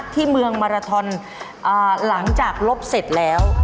ที่เมืองมาราทอนหลังจากลบเสร็จแล้ว